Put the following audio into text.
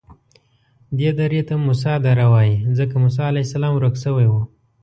دې درې ته موسی دره وایي ځکه موسی علیه السلام ورک شوی و.